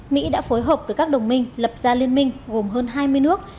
mỹ đã phối hợp với các đồng minh lập ra liên minh gồm hơn hai mươi nước